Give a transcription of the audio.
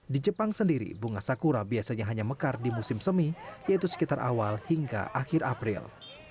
di jepang sendiri bunga sakura biasanya hanya mekar di musim semi yaitu sekitar awal hingga akhir april